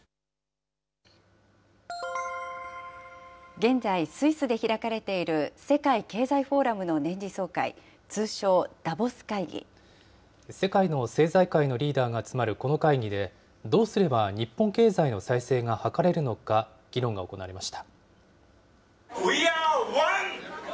現在、スイスで開かれている世界経済フォーラムの年次総会、通称ダボス世界の政財界のリーダーが集まるこの会議で、どうすれば日本経済の再生が図れるのか、議論が行われました。